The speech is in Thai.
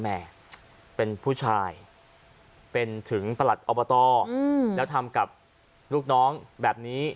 แม่เป็นผู้ชายเป็นถึงประหลัดอบตแล้วทำกับลูกน้องแบบนี้